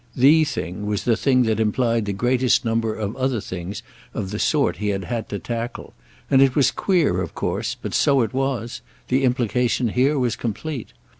"The" thing was the thing that implied the greatest number of other things of the sort he had had to tackle; and it was queer of course, but so it was—the implication here was complete.